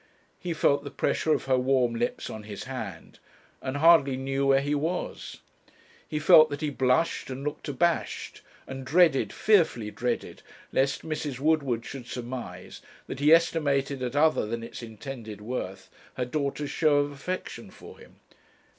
He felt the pressure of her warm lips on his hand, and hardly knew where he was. He felt that he blushed and looked abashed, and dreaded, fearfully dreaded, lest Mrs. Woodward should surmise that he estimated at other than its intended worth, her daughter's show of affection for him.